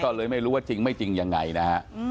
ก็เลยไม่รู้ว่าจริงไม่จริงยังไงนะฮะ